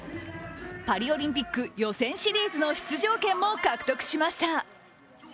パリオリンピック予選シリーズの出場権も獲得しました。